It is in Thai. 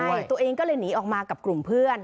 ใช่ตัวเองก็เลยหนีออกมากับกลุ่มเพื่อน